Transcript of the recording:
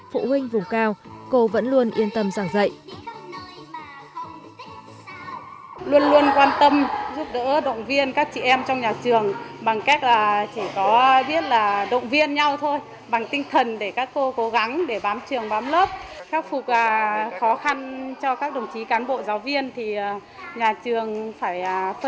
phụ huynh vùng cao cô vẫn luôn yên tâm giảng dạy